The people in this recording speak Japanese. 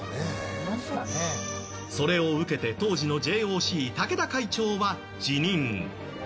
それを受けて当時のＪＯＣ、竹田会長は辞任。